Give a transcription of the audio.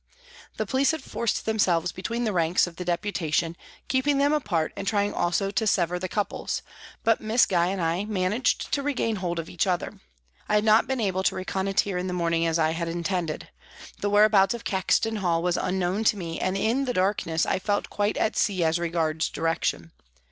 The police had forced themselves between the ranks of the Deputa tion, keeping them apart and trying also to sever the couples, but Miss Gye and I managed to regain hold of each other. I had not been able to reconnoitre in the morning as I had intended. The whereabouts of Caxton Hall was unknown to me, and in the darkness I felt quite at sea as regards direction.